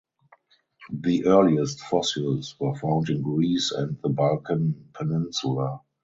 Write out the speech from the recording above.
The earliest fossils were found in Greece and the Balkan peninsula.